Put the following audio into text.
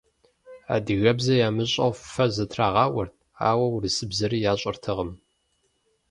Адыгэбзэ ямыщӏэу фэ зытрагъауэрт, ауэ урысыбзэри ящӏэртэкъым.